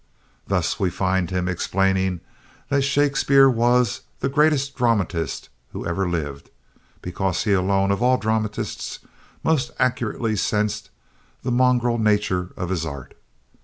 Thus we find him explaining that Shakespeare was "the greatest dramatist who ever lived, because he alone of all dramatists most accurately sensed the mongrel nature of his art."